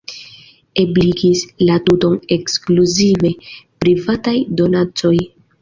Ebligis la tuton ekskluzive privataj donacoj.